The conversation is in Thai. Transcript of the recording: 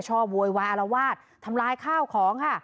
ชอบโวยวายอารวาสทำลายข้าวของ